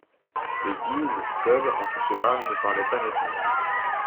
Les Guises, seuls, en tout cela, ne parlaient pas nettement.